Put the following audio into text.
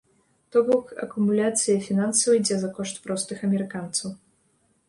То бок акумуляцыя фінансаў ідзе за кошт простых амерыканцаў.